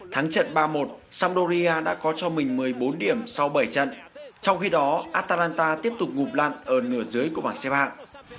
thắng trận ba một sampdoria đã có cho mình một mươi bốn điểm sau bảy trận trong khi đó atalanta tiếp tục ngụp lặn ở nửa dưới của bảng xe vạng